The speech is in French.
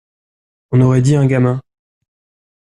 On aurait dit un gamin.